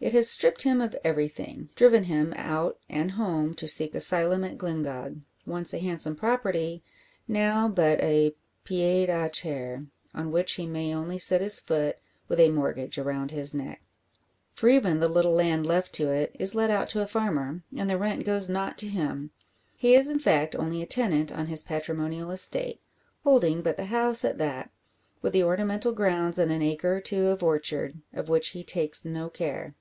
It has stripped him of everything; driven him out and home, to seek asylum at Glyngog, once a handsome property, now but a pied a terre, on which he may only set his foot, with a mortgage around his neck. For even the little land left to it is let out to a farmer, and the rent goes not to him. He is, in fact, only a tenant on his patrimonial estate; holding but the house at that, with the ornamental grounds and an acre or two of orchard, of which he takes no care.